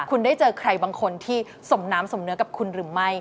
คุณได้เจอใครบางคนที่สมน้ำสมเนื้อกับคุณหรือไม่